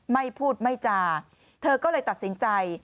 ไม่พูดไม่จาเธอก็เลยตัดสินใจ